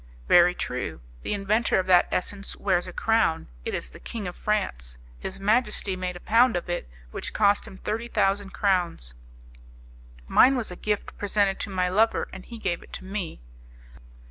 "Very true; the inventor of that essence wears a crown; it is the King of France; his majesty made a pound of it, which cost him thirty thousand crowns." "Mine was a gift presented to my lover, and he gave it to me."